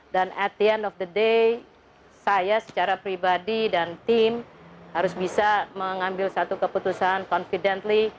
dan at the end of the day saya secara pribadi dan tim harus bisa mengambil satu keputusan confidently